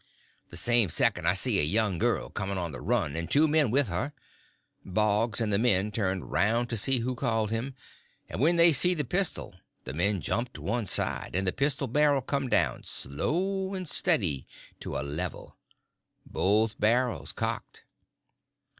The same second I see a young girl coming on the run, and two men with her. Boggs and the men turned round to see who called him, and when they see the pistol the men jumped to one side, and the pistol barrel come down slow and steady to a level—both barrels cocked.